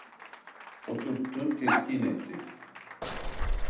Oturttu, teskin etti.